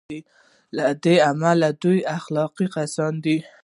له دې امله دوی اخلاقي کسان دي.